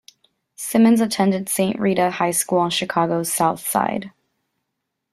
Simmons attended Saint Rita High School on Chicago's south side.